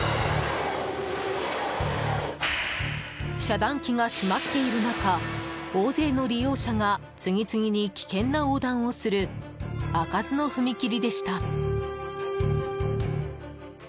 遮断機が閉まっている中大勢の利用者が次々に危険な横断をする開かずの踏切でした。